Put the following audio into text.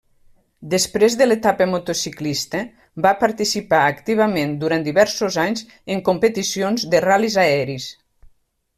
Després de l'etapa motociclista, va participar activament durant diversos anys en competicions de ral·lis aeris.